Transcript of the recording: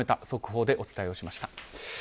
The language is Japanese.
速報でお伝えしました。